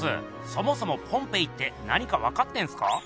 そもそもポンペイって何か分かってんすか？